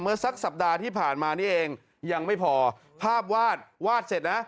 สักสัปดาห์ที่ผ่านมานี่เองยังไม่พอภาพวาดวาดเสร็จนะ